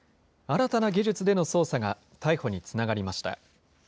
新たな技術での捜査が逮捕につながりました。